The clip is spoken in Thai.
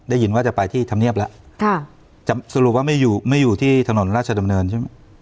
ได้ยินว่าจะไปที่ธรรมเนียบแล้วค่ะจะสรุปว่าไม่อยู่ไม่อยู่ที่ถนนราชดำเนินใช่ไหม